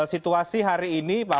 situasi hari ini